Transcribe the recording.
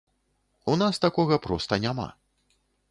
У нас такога проста няма.